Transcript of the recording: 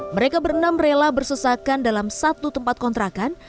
mereka bernam rela bersesakan dalam satu tempat kontrakan